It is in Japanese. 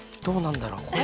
どうなんだろう。